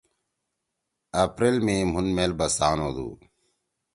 اپریل می مُھن میل بسان ہودُو۔